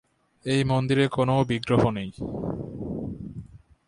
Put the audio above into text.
এই মন্দিরে কোনও বিগ্রহ নেই।